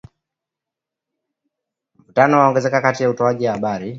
Mvutano waongezeka katika utoaji habari